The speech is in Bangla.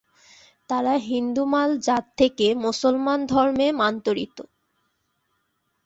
তারা হিন্দু মাল জাত থেকে মুসলমান ধর্মে র্মান্তরিত।